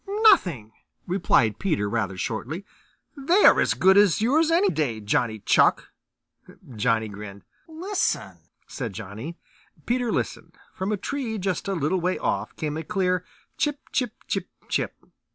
"Nothing," replied Peter rather shortly. "They are as good as yours any day, Johnny Chuck." Johnny grinned. "Listen!" said Johnny. Peter listened. From a tree just a little way off came a clear "Chip, chip, chip, chip."